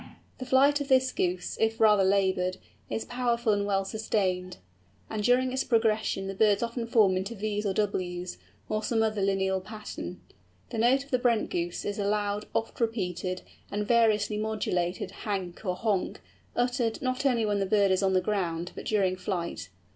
The flight of this Goose, if rather laboured, is powerful and well sustained; and during its progression the birds often form into Vs or Ws, or some other lineal pattern. The note of the Brent Goose is a loud, oft repeated, and variously modulated hank or honk, uttered, not only when the bird is on the ground, but during flight.